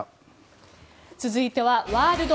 続いてはワールド！